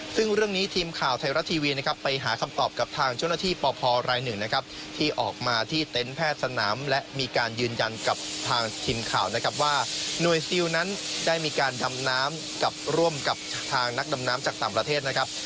ซึ่งเรื่องนี้ทีมข่าวไทยรัฐทีวีไปหาคำตอบกับทางช่วงนักที่ปพร๑ที่ออกมาที่เต็นต์แพทย์สนามและมีการยืนยันกับทางทีมข่าวว่าหน่วยซิลว่านั้นได้มีการดำน้ำร่วมกับทางนักดำน้ำจากต่ำประเทศนะครับ